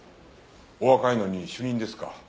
お若いのに主任ですか。